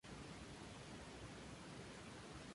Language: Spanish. El Condado de Clinch fue nombrado así en su honor.